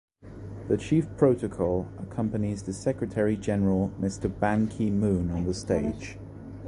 The chief of protocol accompanies the Secretary General Mr. Ban Ki-moon to the stage.